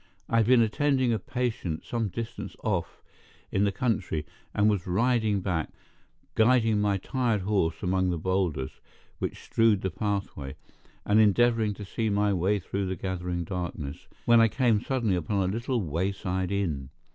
I had been attending a patient some distance off in the country, and was riding back, guiding my tired horse among the boulders which strewed the pathway, and endeavoring to see my way through the gathering darkness, when I came suddenly upon a little wayside inn.